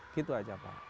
gitu aja pak